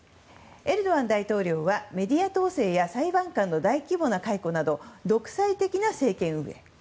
エルドアン大統領はメディア統制や裁判官の大規模な解雇など独裁的な政権運営。